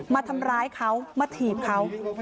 มาทำร้ายเขามาถีบเขา